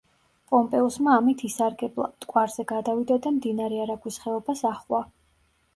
პომპეუსმა ამით ისარგებლა, მტკვარზე გადავიდა და მდინარე არაგვის ხეობას აჰყვა.